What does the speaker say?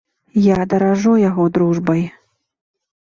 Я даражу яго дружбай.